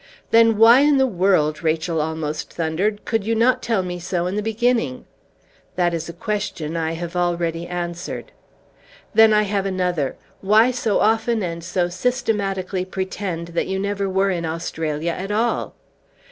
"Then why in the world," Rachel almost thundered, "could you not tell me so in the beginning?" "That is a question I have already answered." "Then I have another. Why so often and so systematically pretend that you never were in Australia at all?"